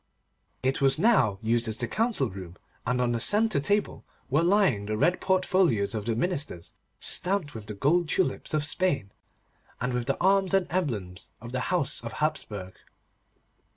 It was now used as the council room, and on the centre table were lying the red portfolios of the ministers, stamped with the gold tulips of Spain, and with the arms and emblems of the house of Hapsburg.